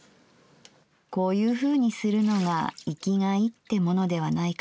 こういうふうにするのが生きがいってものではないかしら。